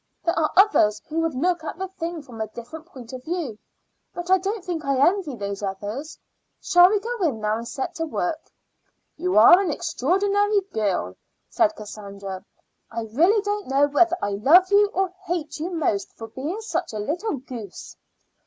There are others who would look at the thing from a different point of view, but I don't think I envy those others. Shall we go in now and set to work?" "You are an extraordinary girl," said Cassandra. "I really don't know whether I love you or hate you most for being such a little goose.